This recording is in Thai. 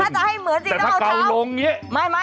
ถ้าจะให้เหมือนจริงต้องเอาเท้าแต่ถ้าเกาลงนี่